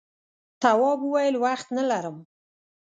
تواب وویل وخت نه لرم.